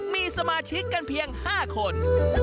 มีสมาชิกกันเพียง๕คน